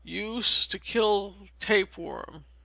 Use to kill tape worm.